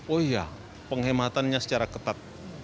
oh iya penghematannya secara ketat